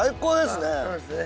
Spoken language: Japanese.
そうですね。